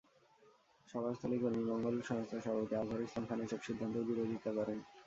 সভাস্থলেই কর্মীমঙ্গল সংস্থার সভাপতি আজহার ইসলাম খান এসব সিদ্ধান্তের বিরোধিতা করেন।